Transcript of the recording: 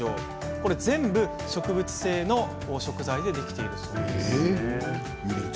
これ、全部植物性の食材でできているそうです。